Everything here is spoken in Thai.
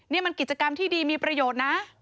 นี่มันกิจกรรมที่ดีมีประโยชน์นะ